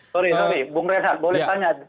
sorry bung rehat boleh tanya